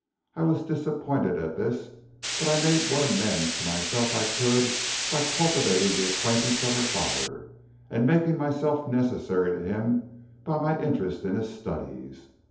I was disappointed at this, but I made what amends to myself I could by cultivating the acquaintance of her father, and making myself necessary to him by my interest in his studies.